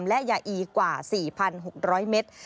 และยาอีกว่า๔๖๐๐เมตร